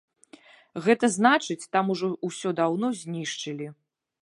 Гэта значыць, там ужо ўсё даўно знішчылі.